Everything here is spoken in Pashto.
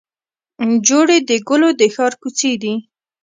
جوړې د ګلو د ښار کوڅې دي